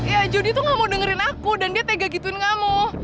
ya jadi tuh gak mau dengerin aku dan dia tega gituin kamu